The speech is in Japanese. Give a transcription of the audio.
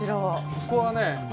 ここはね